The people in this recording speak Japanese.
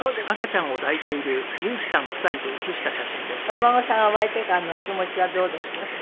お孫さんが生まれてからのお気持ちはどうです？